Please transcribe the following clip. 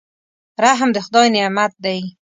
رحم د خدای نعمت دی.